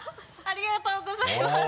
ありがとうございます。